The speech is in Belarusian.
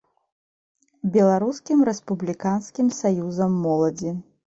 Беларускім рэспубліканскім саюзам моладзі.